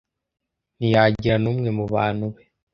ntiyagira n umwe mu bantu be